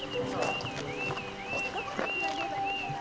・どこにつなげばいいかな。